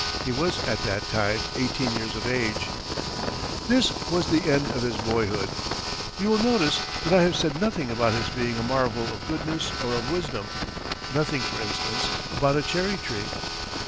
He was at that time eighteen years of age. That was the end of his boyhood. You will notice that I have said nothing about his being a marvel of goodness or of wisdom nothing, for instance, about a cherry tree.